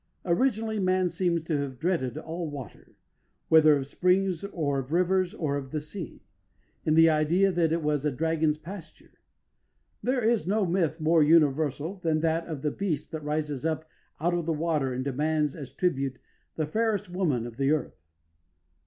Originally, man seems to have dreaded all water, whether of springs or of rivers or of the sea, in the idea that it was a dragon's pasture. There is no myth more universal than that of the beast that rises up out of the water and demands as tribute the fairest woman of the earth.